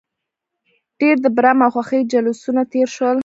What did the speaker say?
ډېر د برم او خوښۍ جلوسونه تېر شول.